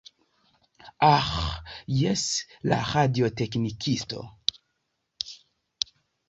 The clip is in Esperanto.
Aĥ, jes, la radioteknikisto.